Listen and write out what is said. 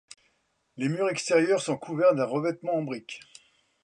Les murs extérieurs sont couverts d'un revêtement en briques.